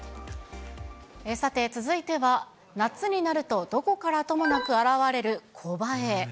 さて、続いては、夏になるとどこからともなく現れるコバエ。